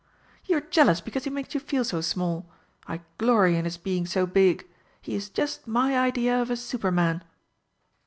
"You are jealous because he makes you feel so small. I glory in his being so big. He is just my idea of a superman!"